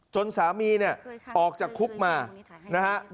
จนสามีออกจากคุกมานะครับ